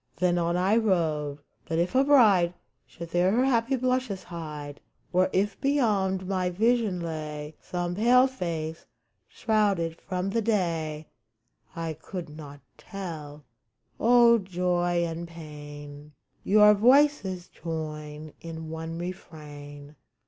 Then on I rode. But if a bride Should there her happy blushes hide, Or if beyond my vision lay Some pale face shrouded from the day, UNANSWERED 177 I could not tell. O joy and Pain, Your voices join in one refrain